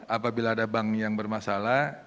apabila ada bank yang bermasalah